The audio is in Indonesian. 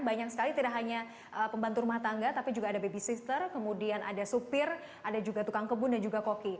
banyak sekali tidak hanya pembantu rumah tangga tapi juga ada babysitter kemudian ada supir ada juga tukang kebun dan juga koki